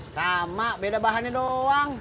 sama beda bahannya doang